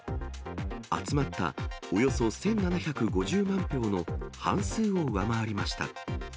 集まったおよそ１７５０万票の半数を上回りました。